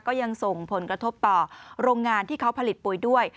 ก็ยังส่งผลกระทบต่อโรงงานที่เขาผลิตปุ๋ยด้วย